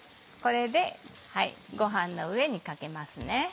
これでごはんの上にかけます。